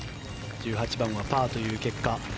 １８番はパーという結果。